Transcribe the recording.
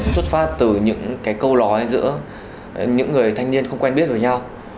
xuất phát từ những câu lói giữa những người thanh niên không quen biết với nhau